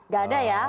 gak ada ya